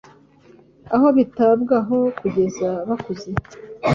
aho bitabwaho kugeza bakuze